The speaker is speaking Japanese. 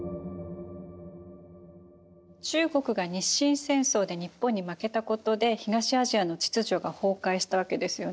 中国が日清戦争で日本に負けたことで東アジアの秩序が崩壊したわけですよね。